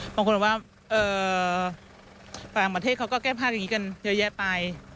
บางคนบอกว่าต่างประเทศเขาก็แก้ภาพอย่างนี้กันเยอะแยะไป